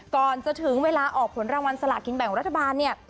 ก่อนจะถึงเวลาออกผลรางวัลสลากินแบ่งรัฐบาลเนี่ย